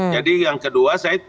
jadi yang kedua saya